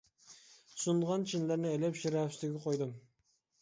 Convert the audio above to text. سۇنغان چىنىلەرنى ئېلىپ شىرە ئۈستىگە قويدۇم.